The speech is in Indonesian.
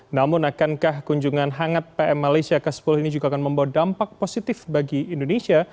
namun akankah kunjungan hangat pm malaysia ke sepuluh ini juga akan membawa dampak positif bagi indonesia